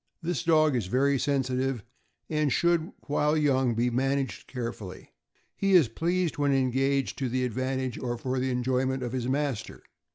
This dog is very sensitive, and should, while young, be managed carefully. He is greatly pleased when engaged to the advantage or for the enjoyment of his master.